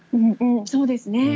そうですね。